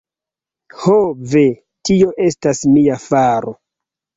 Ho ve, tio estas mia faro!